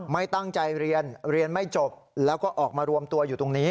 ไม่ตั้งใจเรียนเรียนไม่จบแล้วก็ออกมารวมตัวอยู่ตรงนี้